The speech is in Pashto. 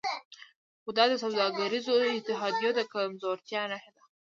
خو دا د سوداګریزو اتحادیو د کمزورتیا نښه نه ده